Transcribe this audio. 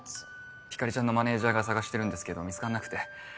光莉ちゃんのマネジャーが捜してるんですけど見つからなくて。